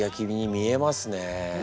見えますか？